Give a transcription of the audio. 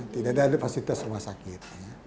tidak ada fasilitas rumah sakit